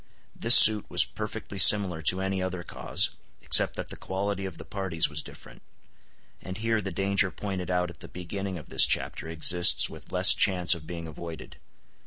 This suit was perfectly similar to any other cause, except that the quality of the parties was different; and here the danger pointed out at the beginning of this chapter exists with less chance of being avoided.